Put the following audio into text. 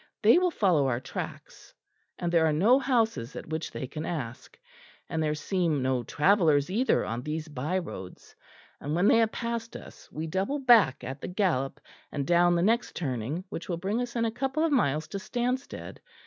They will follow our tracks, and there are no houses at which they can ask, and there seem no travellers either on these by roads, and when they have passed us we double back at the gallop, and down the next turning, which will bring us in a couple of miles to Stanstead.